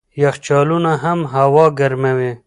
یخچالونه هم هوا ګرموي.